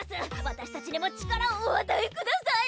私たちにも力をお与えください！